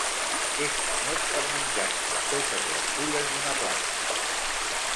És famós per menjar-se totes les fulles d'una planta.